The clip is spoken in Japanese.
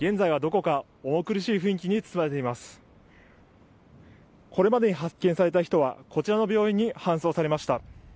これまでに発見された人はこちらの病院に搬送されました。